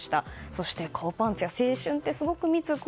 そして、顔パンツや「青春って、すごく密なので」